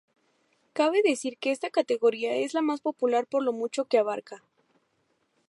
Cabe decir que esta categoría es la más popular por lo mucho que abarca.